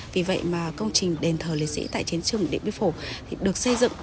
vì vậy mà công trình đền thờ liệt sĩ tại chiến trường địa mỹ phổ được xây dựng